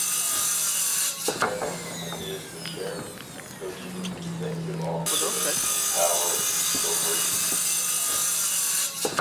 Currently he is the Chairman and Co-Chief Executive Officer of Power Corporation of Canada.